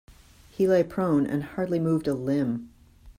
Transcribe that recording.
He lay prone and hardly moved a limb.